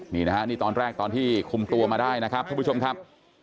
นี่นะฮะนี่ตอนแรกตอนที่คุมตัวมาได้นะครับท่านผู้ชมครับ